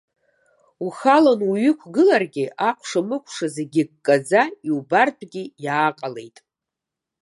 Ухалан уҩықәгыларгьы акәша-мыкәша зегьы ккаӡа иубартәгьы иааҟалеит.